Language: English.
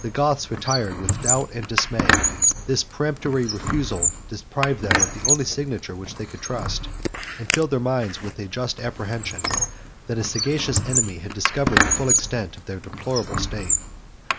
The Goths retired with doubt and dismay: this peremptory refusal deprived them of the only signature which they could trust, and filled their minds with a just apprehension, that a sagacious enemy had discovered the full extent of their deplorable state.